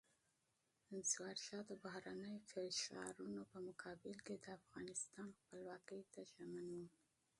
ظاهرشاه د بهرنیو فشارونو په مقابل کې د افغانستان خپلواکۍ ته ژمن و.